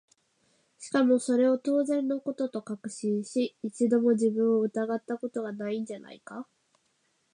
しかもそれを当然の事と確信し、一度も自分を疑った事が無いんじゃないか？